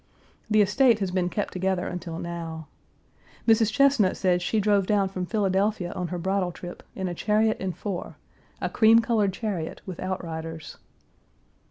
The estate has been kept together until now. Mrs. Chesnut said she drove down from Philadelphia on her bridal trip, in a chariot and four a cream colored chariot with outriders.